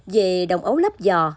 về đồng ấu lấp giò